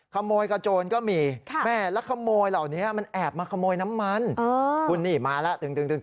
ขโมยกระโจนก็มีแม่แล้วขโมยเหล่านี้มันแอบมาขโมยน้ำมันคุณนี่มาแล้วดึง